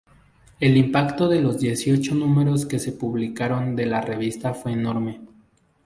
El impacto de los dieciocho números que se publicaron de la revista fue enorme.